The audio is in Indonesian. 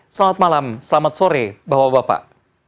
selamat malam selamat sore bapak bapak